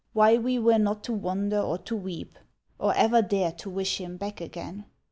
Why we were not to wonder or to weep. Or ever dare to wish him back again.